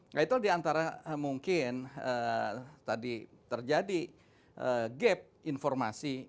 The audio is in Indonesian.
nah itu di antara mungkin tadi terjadi gap informasi